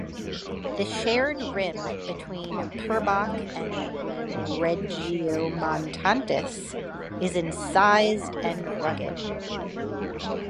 The shared rim between Purbach and Regiomontanus is incised and rugged.